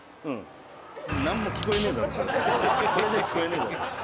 「これじゃ聞こえねえだろ」